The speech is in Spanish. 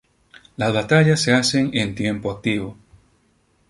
Las batallas se hacen en tiempo activo.